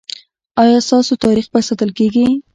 ایا ستاسو تاریخ به ساتل کیږي؟